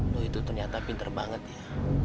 loh itu ternyata pinter banget ya